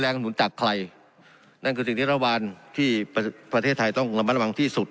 หนุนจากใครนั่นคือสิ่งที่ระหว่างที่ประเทศไทยต้องระมัดระวังที่สุด